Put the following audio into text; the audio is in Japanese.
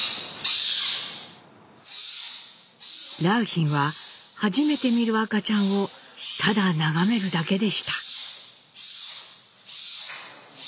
良浜は初めて見る赤ちゃんをただ眺めるだけでした。